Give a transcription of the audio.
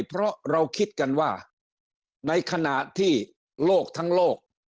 เพราะเราคิดกันว่าในขณะที่โลกทั้งโลก